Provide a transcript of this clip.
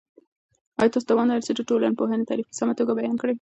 آیا تاسو توان لرئ چې د ټولنپوهنې تعریف په سمه توګه بیان کړئ؟